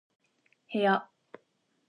部屋